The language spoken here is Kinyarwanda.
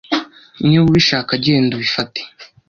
niba ubishaka genda ubifate.